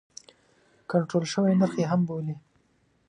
کنټرول شوی نرخ یې هم بولي.